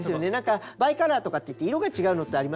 バイカラーとかっていって色が違うのってありますよね。